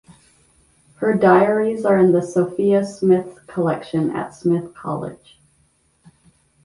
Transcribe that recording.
Her diaries are in the Sophia Smith Collection at Smith College.